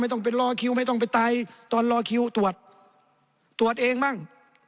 ต้องไปรอคิวไม่ต้องไปตายตอนรอคิวตรวจตรวจเองบ้าง